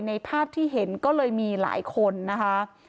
ภาพที่เห็นก็เลยมีหลายคนนะคะ